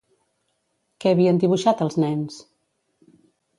Què havien dibuixat els nens?